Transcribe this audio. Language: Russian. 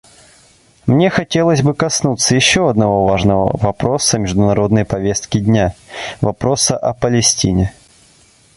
Мне хотелось бы коснуться еще одного важного вопроса международной повестки дня — вопроса о Палестине.